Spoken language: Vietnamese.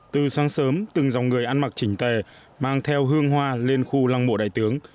từ sáng sớm từng dòng người ăn mặc chỉnh tề mang theo hương hoa lên khu lăng mộ đại tướng